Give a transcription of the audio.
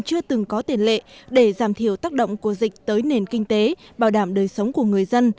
chưa từng có tiền lệ để giảm thiểu tác động của dịch tới nền kinh tế bảo đảm đời sống của người dân